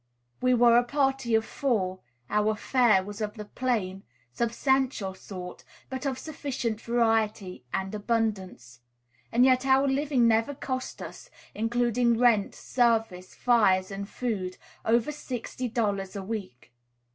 We were a party of four; our fare was of the plain, substantial sort, but of sufficient variety and abundance; and yet our living never cost us, including rent, service, fires, and food, over $60 a week.